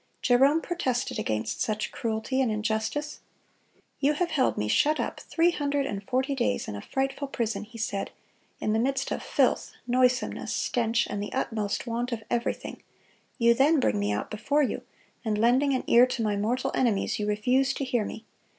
Jerome protested against such cruelty and injustice. "You have held me shut up three hundred and forty days in a frightful prison," he said, "in the midst of filth, noisomeness, stench, and the utmost want of everything; you then bring me out before you, and lending an ear to my mortal enemies, you refuse to hear me....